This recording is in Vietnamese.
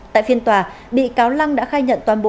tại phiên tòa bị cáo lăng đã khai nhận toàn bộ